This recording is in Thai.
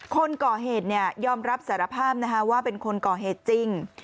คนก่อเหตุยอมรับสารภาพว่าเป็นคนก่อเหตุจริง